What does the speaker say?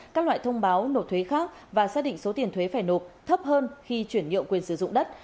các loại thông báo nộp thuế khác và xác định số tiền thuế phải nộp thấp hơn khi chuyển nhượng quyền sử dụng đất